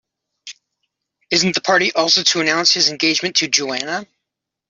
Isn't the party also to announce his engagement to Joanna?